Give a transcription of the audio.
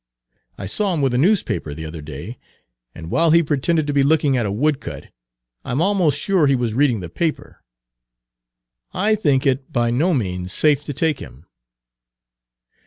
I saw him with a newspaper the other day, and while he pretended to be looking at a woodcut, I'm almost sure he was reading the paper. I think it by no means safe to take him."